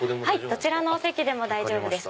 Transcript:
どちらのお席でも大丈夫です。